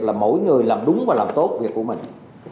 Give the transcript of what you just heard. là mỗi người làm đúng và làm tốt việc của mình